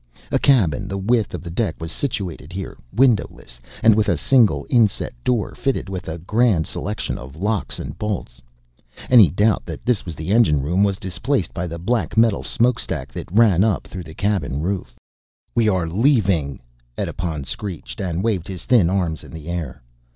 A cabin, the width of the deck, was situated here, windowless and with a single inset door fitted with a grand selection of locks and bolts. Any doubt that this was the engine room was displaced by the black metal smokestack that rose up through the cabin roof. "We are leaving," Edipon screeched and waved his thin arms in the air.